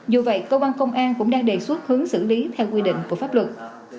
dù vậy cơ quan công an cũng đang đề xuất hướng xử lý theo quy định của pháp luật